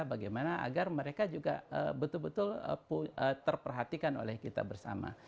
bagaimana agar mereka juga betul betul terperhatikan oleh kita bersama